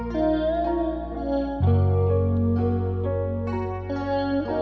ค่ะ